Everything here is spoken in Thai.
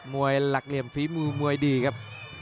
หลักเหลี่ยมฝีมือมวยดีครับ